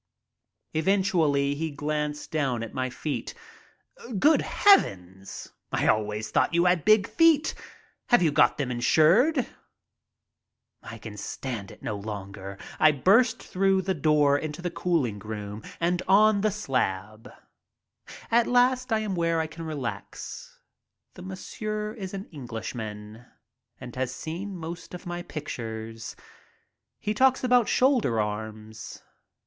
Eventually he glanced down at my feet. "Good heavens! I always thought you had big feet. Have you got them insured?" I can stand it no longer. I burst through the door into the cooling room and on to the slab. At last I am where I can relax. The masseur is an Eng lishman and has seen most of my pictures. He talks about "Shoulder Arms."